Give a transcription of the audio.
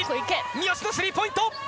三好のスリーポイント！